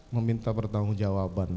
meminta pertanggung jawaban